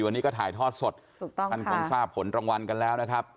วันนี้ก็ถ่ายทอดสดถูกต้องท่านคงทราบผลรางวัลกันแล้วนะครับ